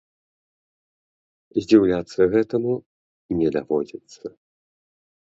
Здзіўляцца гэтаму не даводзіцца.